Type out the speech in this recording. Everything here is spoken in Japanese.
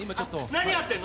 何やってんの？